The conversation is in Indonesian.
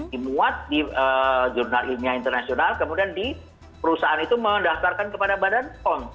dimuat di jurnal ilmiah internasional kemudian di perusahaan itu mendaftarkan kepada badan pom